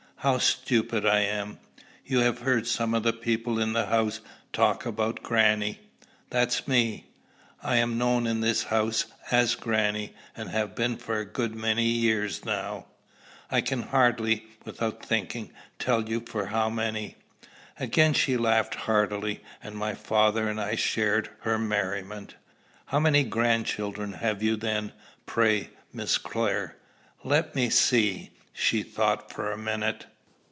"How stupid I am! You have heard some of the people in the house talk about grannie: that's me! I am known in the house as grannie, and have been for a good many years now I can hardly, without thinking, tell for how many." Again she laughed heartily, and my father and I shared her merriment. "How many grandchildren have you then, pray, Miss Clare?" "Let me see." She thought for a minute.